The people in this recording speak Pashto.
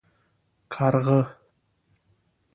🐦⬛ کارغه